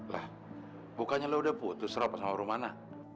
lah bukannya lu udah putus rop sama romana